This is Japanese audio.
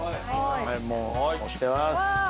はいもう押してます。